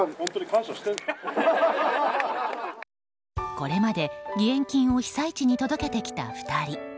これまで義援金を被災地に届けてきた２人。